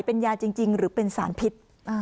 เป็นยาจริงหรือเป็นสารพิษ